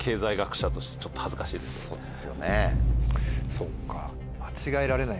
そっか。